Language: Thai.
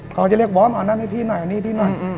เขาจะเรียกบอมอันนั้นให้พี่หน่อยอันนี้พี่หน่อย